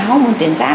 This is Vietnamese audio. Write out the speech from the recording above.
hormôn tuyến giáp